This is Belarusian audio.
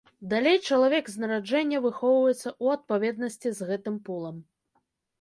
Далей чалавек з нараджэння выхоўваецца ў адпаведнасці з гэтым полам.